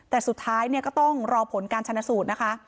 แต่สุดท้ายก็ต้องรอผลการชนะสูตรนะคะ